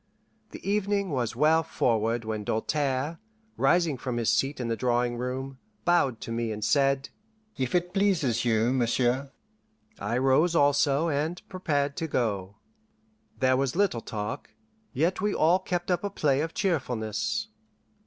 The evening was well forward when Doltaire, rising from his seat in the drawing room, bowed to me, and said, "If it pleases you, monsieur?" I rose also, and prepared to go. There was little talk, yet we all kept up a play of cheerfulness.